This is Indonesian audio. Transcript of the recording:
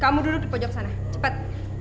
kamu duduk di pojok sana cepat